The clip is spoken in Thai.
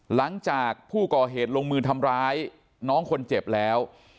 หลังจากผู้ก่อเหตุลงมือทำร้ายน้องคนเจ็บแล้ว